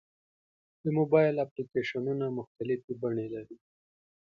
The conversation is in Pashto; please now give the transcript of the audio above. د موبایل اپلیکیشنونه مختلفې بڼې لري.